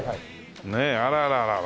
ねえあらあらあらあら。